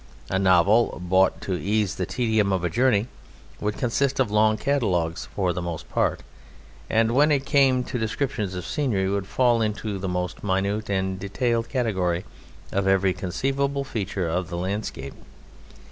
A novel bought to ease the tedium of a journey would consist of long catalogues for the most part, and when it came to descriptions of scenery would fall into the most minute and detailed category of every conceivable feature of the landscape.